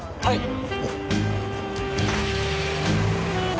はい！